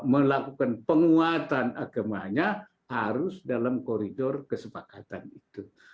melakukan penguatan agamanya harus dalam koridor kesepakatan itu